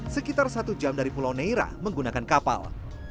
sekitar satu jam dari pulau neira menggunakan kapal